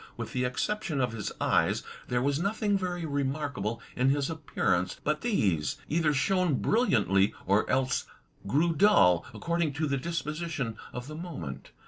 With the ex ception of his eyes, there was nothing very remarkable in his appear ance, but these either shone brilliantly or else grew dull, according to the disposition of the moment.